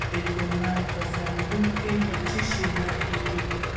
د کونړ په سرکاڼو کې د څه شي نښې دي؟